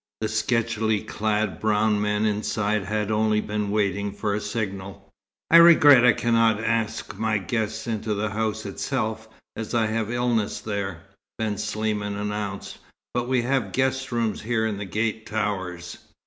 The sketchily clad brown men inside had only been waiting for a signal. "I regret that I cannot ask my visitors into the house itself, as I have illness there," Ben Sliman announced; "but we have guest rooms here in the gate towers.